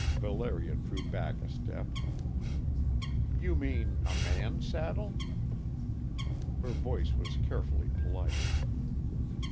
Valeria drew back a step. "You mean a man's saddle?" Her voice was carefully polite.